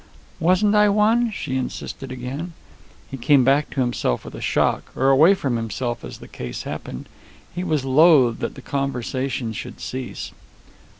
"Wasn't I one?" she insisted again. He came back to himself with a shock or away from himself, as the case happened. He was loath that the conversation should cease.